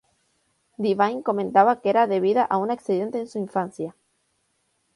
Devine comentaba que era debida a un accidente en su infancia.